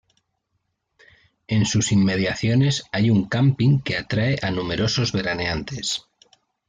En sus inmediaciones hay un camping que atrae a numerosos veraneantes.